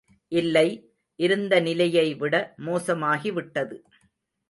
இல்லை, இருந்த நிலையைவிட மோசமாகிவிட்டது.